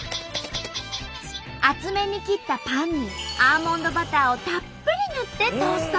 厚めに切ったパンにアーモンドバターをたっぷり塗ってトースト。